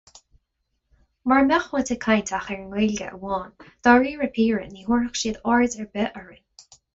Mura mbeadh muid ag caint ach ar an nGaeilge amháin, dáiríre píre, ní thabharfadh siad aird ar bith orainn.